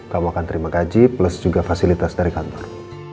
kamu akan terima gaji plus juga fasilitas dari kantor